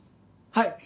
はい！